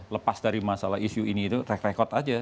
lepas dari masalah isu ini itu track record aja